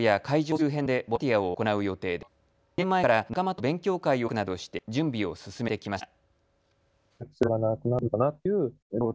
周辺でボランティアを行う予定で２年前から仲間と勉強会を開くなどして準備を進めてきました。